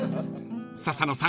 ［笹野さん